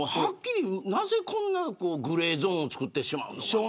なぜこんなグレーゾーンを作ってしまうのか。